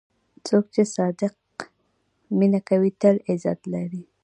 څوک چې صادق مینه کوي، تل عزت لري.